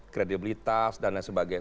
kredibilitas dan lain sebagainya